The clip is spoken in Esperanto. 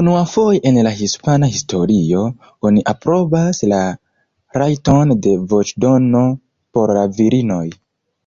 Unuafoje en la hispana historio, oni aprobas la rajton de voĉdono por la virinoj.